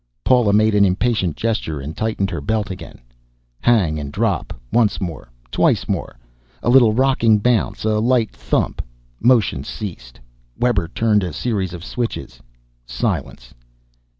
Paula made an impatient gesture and tightened her belt again. Hang and drop. Once more, twice more. A little rocking bounce, a light thump, motion ceased. Webber turned a series of switches. Silence.